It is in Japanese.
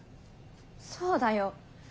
そうだよ。